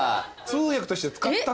通訳として使ったって。